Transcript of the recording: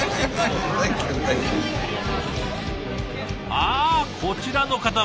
あこちらの方も。